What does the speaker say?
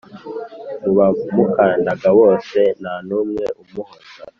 mu bamukundaga bose nta n’umwe umuhoza,